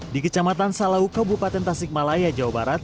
di kecamatan salau kabupaten tasikmalaya jawa barat